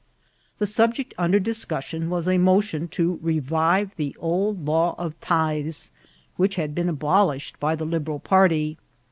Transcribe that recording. The subject under discussion was a motion to reviye the old law of tithes, which had been abolished by the Liberal party.